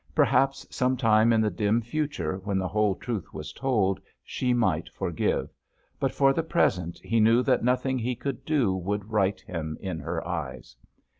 Perhaps some time in the dim future, when the whole truth was told, she might forgive; but for the present he knew that nothing he could do would right him in her eyes.